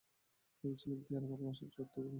ভেবেছিলাম, পোয়ারো ভালোবাসার জ্বর থেকে মুক্ত!